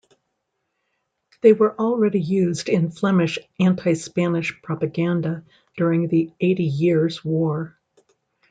They were already used in Flemish anti-Spanish propaganda during the Eighty Years' War.